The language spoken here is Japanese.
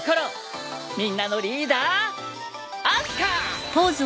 みんなのリーダー明日香！